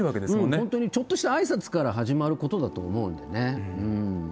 本当にちょっとした挨拶から始まることだと思うんでね。